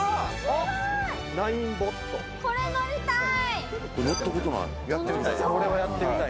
これ乗りたい！